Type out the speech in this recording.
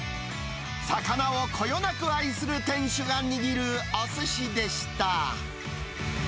魚をこよなく愛する店主が握るおすしでした。